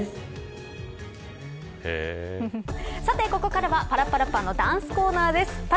さてここからはパラッパラッパーのダンスコーナーです。